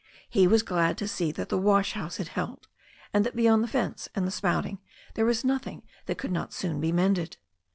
He was glad to see that the wash house had held, and that beyond the fence and the spouting there was nothing that could not soon be mended.